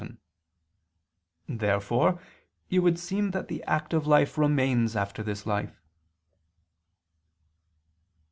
vii). Therefore it would seem that the active life remains after this life.